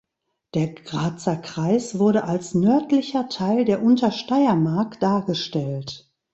Der Grazer Kreis wurde als nördlicher Teil der Untersteiermark dargestellt.